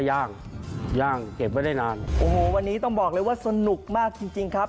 ย่างย่างเก็บไว้ได้นานโอ้โหวันนี้ต้องบอกเลยว่าสนุกมากจริงจริงครับ